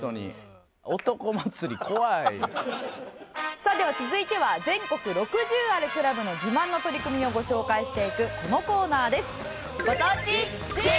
さあでは続いては全国６０あるクラブの自慢の取り組みをご紹介していくこのコーナーです。